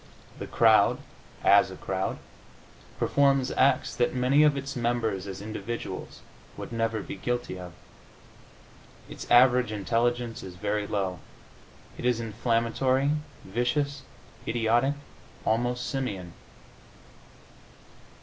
The crowd, as a crowd, performs acts that many of its members, as individuals, would never be guilty of. Its average intelligence is very low; it is inflammatory, vicious, idiotic, almost simian.